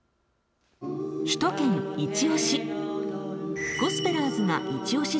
「首都圏いちオシ！」